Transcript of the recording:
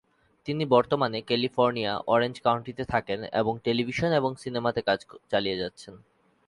তিনি বর্তমানে California Orange কাউন্টিতে থাকেন এবং টেলিভিশন এবং সিনেমাতে কাজ চালিয়ে যাচ্ছেন।